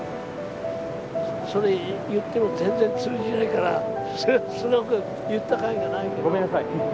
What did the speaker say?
それ言っても全然通じないからすごく言ったかいがないけど。